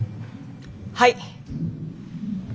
はい！